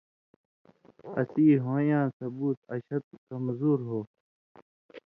اسیں ہُوئن٘یاں ثُبوت اشتوۡ (کمزور) ہو